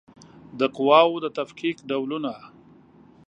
د قواوو د تفکیک ډولونه